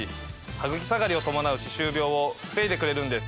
ハグキ下がりを伴う歯周病を防いでくれるんです。